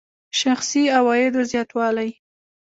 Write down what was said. شخصي عوایدو زیاتوالی.